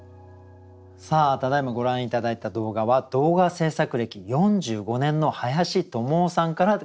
ただいまご覧頂いた動画は動画制作歴４５年の林智雄さんからご提供頂きました。